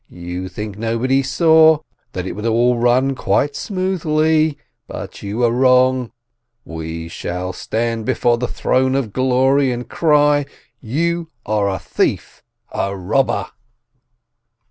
You think nobody saw, that it would all run quite smoothly, but you are wrong! We shall stand before the Throne of Glory and cry : You are a thief, a robber!